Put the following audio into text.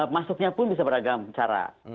masuknya pun bisa beragam cara